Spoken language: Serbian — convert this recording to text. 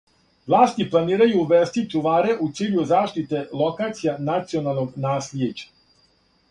Власти планирају увести чуваре у циљу заштите локација националног наслијеđа.